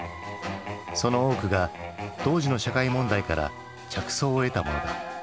その多くが当時の社会問題から着想を得たものだ。